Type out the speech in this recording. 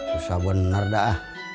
susah bener dah